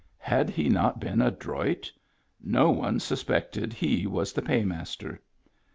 Had he not been adroit? No one suspected he was the paymaster.